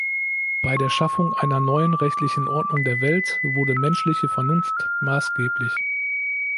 Bei der Schaffung einer neuen rechtlichen Ordnung der Welt wurde menschliche Vernunft maßgeblich.